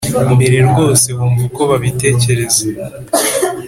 mbese rwose wumva uko babitekereza